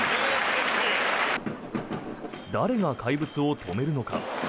誰が怪物を止めるのか。